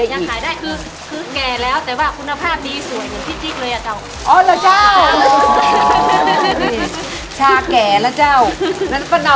เนี้ยแกยังสวยงู